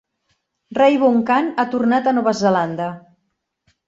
Raybon Kan ha tornat a Nova Zelanda.